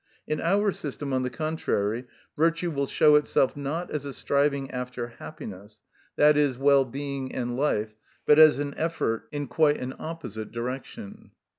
(79) In our system, on the contrary, virtue will show itself, not as a striving after happiness, that is, well being and life, but as an effort in quite an opposite direction.